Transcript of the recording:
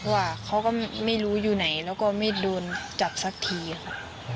ว่าเขาก็ไม่รู้อยู่ไหนแล้วก็ไม่โดนจับสักทีค่ะ